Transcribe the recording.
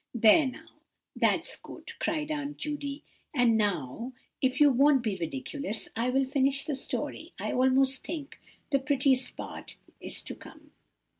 "There now, that's good!" cried Aunt Judy; "and now, if you won't be ridiculous, I will finish the story. I almost think the prettiest part is to come."